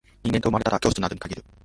人間と生まれたら教師となるに限る